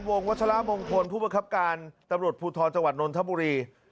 วัชราบงพลผู้บังคับการตำรวจภูทธรจังหวัดนนท์ธมภูรี